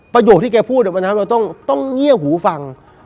ประโยคที่เขาพูดต้องเงียบหูฟัง